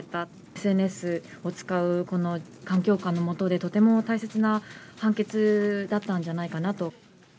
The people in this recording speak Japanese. ＳＮＳを使うこの環境下のもとで、とても大切な判決だったんじゃないかなと。